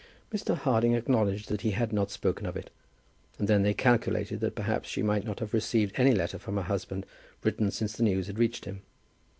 Mr. Harding acknowledged that he had not spoken of it, and then they calculated that perhaps she might not have received any letter from her husband written since the news had reached him.